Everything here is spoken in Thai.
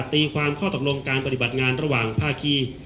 ตีความข้อตกลงการปฏิบัติงานระหว่างภาคี